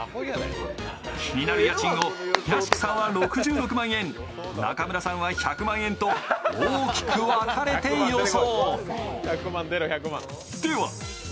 気になる家賃を屋敷さんは６６万円、中村さんは１００万円と大きく分かれて予想。